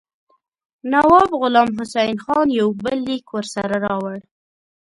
نواب غلام حسین خان یو بل لیک ورسره راوړ.